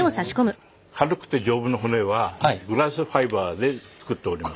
軽くて丈夫な骨はグラスファイバーで作っております。